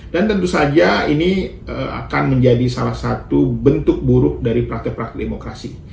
dan tentu saja ini akan menjadi salah satu bentuk buruk dari praktek praktek demokrasi